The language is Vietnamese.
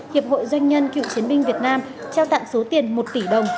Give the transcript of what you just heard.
hiệp hội doanh nhân cựu chiến binh việt nam trao tặng số tiền một tỷ đồng